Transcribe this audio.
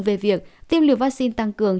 về việc tiêm liều vaccine tăng cường